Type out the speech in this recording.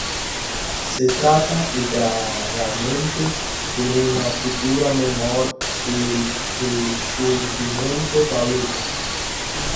Se trata, literariamente, de una figura menor del "Rexurdimento" gallego.